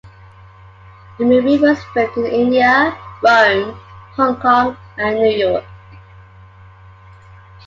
The movie was filmed in India, Rome, Hong Kong, and New York.